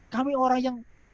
kami orang yang